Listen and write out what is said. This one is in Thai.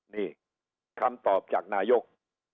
นี่คำตอบจากนายก